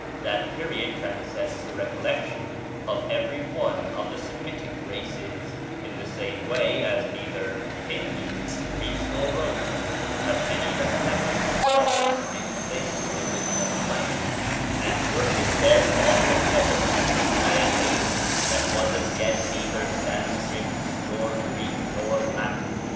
That period transcends the recollection of every one of the Semitic races, in the same way as neither Hindoos, Greeks, nor Romans have any recollection of the time when they spoke a common language, and worshipped their Father in heaven by a name that was as yet neither Sanscrit, nor Greek, nor Latin.